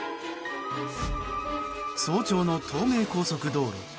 早朝の東名高速道路。